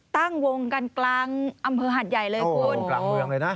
ตั้งวงกลางอำเภอหาดใหญ่เลยคุณโหเลยนะ